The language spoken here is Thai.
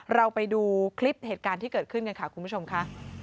เราไปดูคลิปเหตุการณ์ที่เกิดขึ้นกันค่ะคุณผู้ชมค่ะ